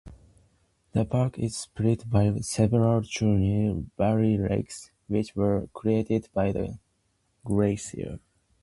The Park is split by several tunnel-valley lakes, which were created by the glacier.